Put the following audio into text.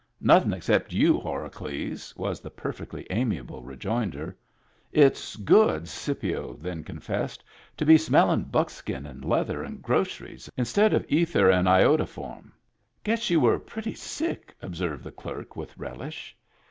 " Nothin* except you, Horacles," was the per fectly amiable rejoinder. —" It's good," Scipio then confessed, "to be smellin' buckskin and leather and groceries instead of ether and iodoform." "Guess you were pretty sick," observed the clerk, with relish.